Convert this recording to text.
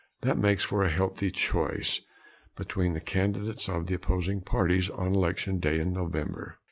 That makes for a healthy choice between the candidates of the opposing parties on Election Day in November.